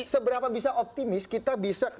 seberapa bisa optimis kita bisa